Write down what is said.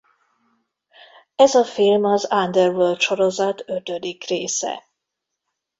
Ez a film az Underworld-sorozat ötödik része.